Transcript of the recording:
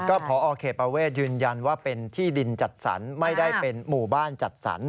ก็พอเขตประเวทยืนยันว่าเป็นที่ดินจัดสรรไม่ได้เป็นหมู่บ้านจัดสรร